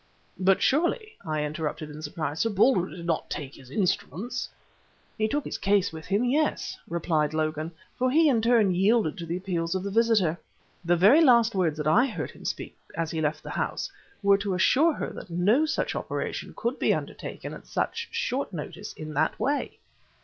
"But surely," I interrupted, in surprise, "Sir Baldwin did not take his instruments?" "He took his case with him yes," replied Logan; "for he in turn yielded to the appeals of the visitor. The very last words that I heard him speak as he left the house were to assure her that no such operation could be undertaken at such short notice in that way."